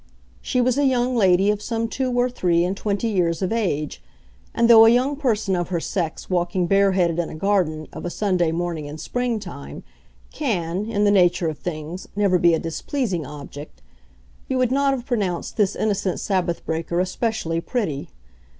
She was a young lady of some two or three and twenty years of age, and though a young person of her sex walking bare headed in a garden, of a Sunday morning in spring time, can, in the nature of things, never be a displeasing object, you would not have pronounced this innocent Sabbath breaker especially pretty.